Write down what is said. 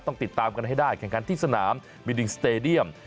ต้องติดตามกันให้ได้แข่งขันที่สนามบินสเตดียม